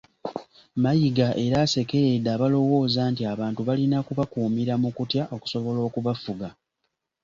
Mayiga era asekeredde abalowooza nti abantu balina kubakuumira mu kutya okusobola okubafuga.